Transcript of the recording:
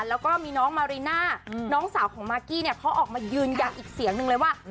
แล้วก็มีน้องมาริน่าน้องสาวของมากกี้เนี่ยเขาออกมายืนยันอีกเสียงหนึ่งเลยว่า